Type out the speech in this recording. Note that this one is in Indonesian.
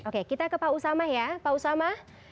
oke kita ke pak usama ya pak usama